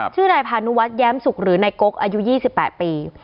ชื่อนายพานุวัฒนแย้มสุกหรือนายกกอายุ๒๘ปี